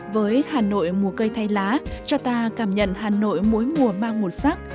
với hà nội mùa cây thay lá cho ta cảm nhận hà nội mỗi mùa mang một sắc